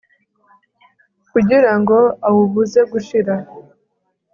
kugira ngo awubuze gushira